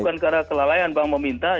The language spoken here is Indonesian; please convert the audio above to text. bukan karena kelalaian bank meminta